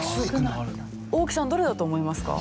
大木さんどれだと思いますか？